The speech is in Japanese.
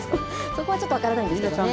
そこはちょっと分からないんですけどね。